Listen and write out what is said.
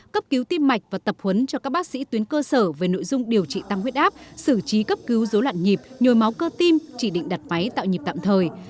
cấp cứu tim mạch và tập huấn cho các bác sĩ tuyến cơ sở về nội dung điều trị tăng huyết áp xử trí cấp cứu dối loạn nhịp nhồi máu cơ tim chỉ định đặt váy tạo nhịp tạm thời